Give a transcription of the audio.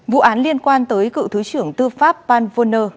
vụ án liên quan tới cựu thứ trưởng tư pháp paul wollner